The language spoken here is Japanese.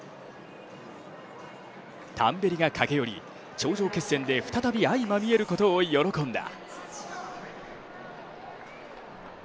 タンベリが駆け寄り頂上決戦で再び相まみえることを喜んだ。